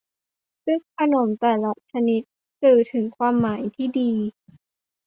ซึ่งขนมแต่ละชนิดสื่อถึงความหมายที่ดี